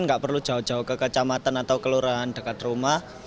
nggak perlu jauh jauh ke kecamatan atau kelurahan dekat rumah